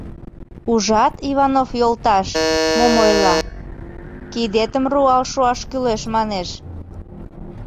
— Ужат, Иванов йолташ, мом ойла: кидетым руал шуаш кӱлеш, манеш.